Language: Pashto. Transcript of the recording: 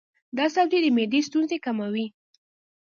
دا سبزی د معدې ستونزې کموي.